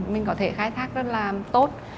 mình có thể khai thác rất là tốt